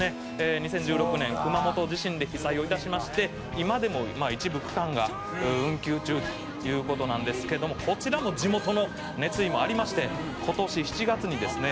２０１６年熊本地震で被災をいたしまして今でも一部区間が運休中という事なんですけどもこちらも地元の熱意もありまして今年７月にですね